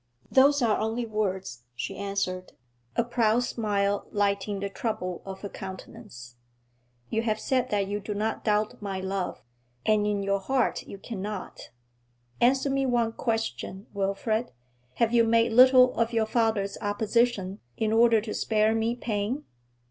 'Those are only words,' she answered, a proud smile lighting the trouble of her countenance. 'You have said that you do not doubt my love, and in your heart you cannot. Answer me one question, Wilfrid: have you made little of your father's opposition, in order to spare me pain?